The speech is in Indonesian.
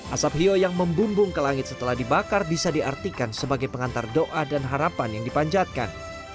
asap hio yang membumbung ke langit setelah dibakar bisa diartikan sebagai pengantar doa dan harapan yang dipanjatkan